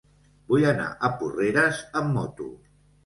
Vull anar a Porreres amb moto.